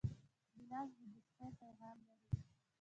ګیلاس د دوستۍ پیغام لري.